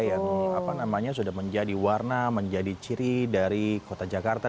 yang sudah menjadi warna menjadi ciri dari kota jakarta